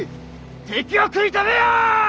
敵を食い止めよ！